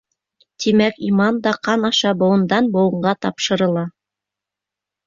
Тимәк, иман да ҡан аша быуындан быуынға тапшырыла.